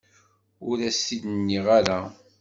Ur as-t-id nniɣ ara.